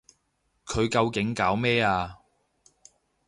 佢究竟搞咩啊？